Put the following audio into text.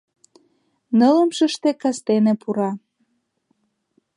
— Нылымшыште кастене пура.